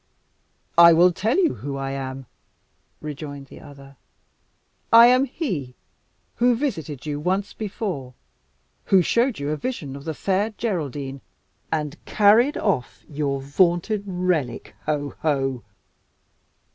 "I will tell you who I am," rejoined the other. "I am he who visited you once before who showed you a vision of the Fair Geraldine and carried off your vaunted relic ho! ho!"